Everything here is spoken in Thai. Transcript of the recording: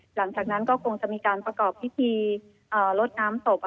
หลังจากนั้นก็คงจะมีการประกอบที่มีรถน้ำตบค่ะ